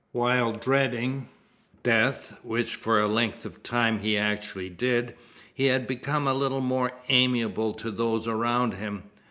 While dreading, death which for a length of time he actually did he had become a little more amiable to those around him.